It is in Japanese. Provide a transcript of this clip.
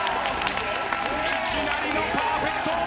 いきなりのパーフェクト。